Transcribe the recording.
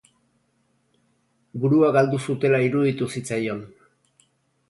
Burua galdu zutela iruditu zitzaion.